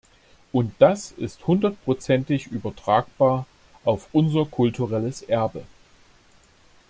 Und das ist hundertprozentig übertragbar auf unser kulturelles Erbe.